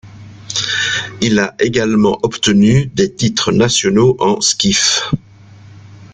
Il a également obtenu des titres nationaux en skiff.